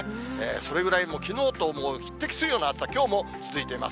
それぐらいきのうともう、匹敵するような暑さ、きょうも続いてます。